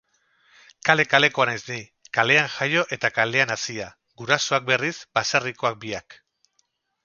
Kale-kalekoa naiz ni, kalean jaio eta kalean hazia; gurasoak, berriz, baserrikoak biak.